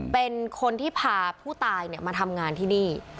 เป็นคนที่พาผู้ตายมาทำงานที่นี่